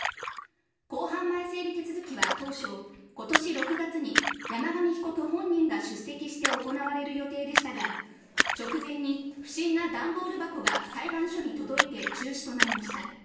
公判前整理手続きは当初、ことし６月に山上被告本人が出席して行われる予定でしたが、直前に不審なダンボール箱が裁判所に届いて、中止となりました。